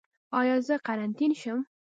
ایا زه قرنطین شم؟